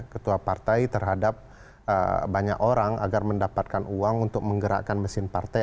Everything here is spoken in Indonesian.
ketua partai terhadap banyak orang agar mendapatkan uang untuk menggerakkan mesin partai